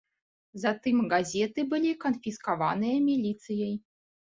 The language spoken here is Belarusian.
Затым газеты былі канфіскаваныя міліцыяй.